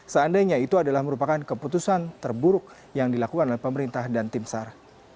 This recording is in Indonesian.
seandainya itu adalah merupakan keputusan terburuk yang dilakukan oleh pemerintah dan tim sar